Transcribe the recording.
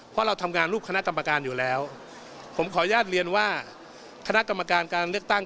เพราะเราทำงานรูปคณะกรรมการอยู่แล้วผมขออนุญาตเรียนว่าคณะกรรมการการเลือกตั้ง